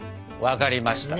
分かりました！